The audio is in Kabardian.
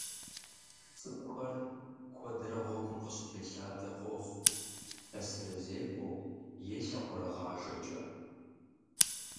Цӏыкӏухэр куэдрэ гъуэгум къыщытелъадэ къохъу лъэсырызекӀуэу е лъакъуэрыгъажэкӏэ.